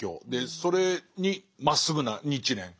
それにまっすぐな日蓮。